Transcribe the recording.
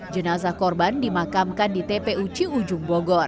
jenazah korban dimakamkan di tepe uci ujung bogor